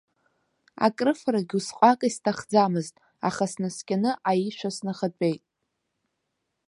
Акрыфарагь усҟак исҭахӡамызт, аха снаскьаны аишәа снахатәеит.